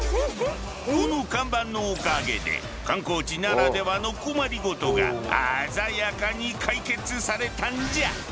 この看板のおかげで観光地ならではの困りごとが鮮やかに解決されたんじゃ。